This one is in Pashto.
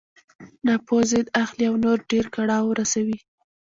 ناپوه ضد اخلي او نور ډېر کړاو رسوي.